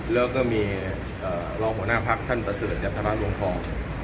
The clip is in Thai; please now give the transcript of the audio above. แล้วก็มีเอ่อรองหัวหน้าพักษณ์ท่านประเสริฐจักรธรรมลงทอง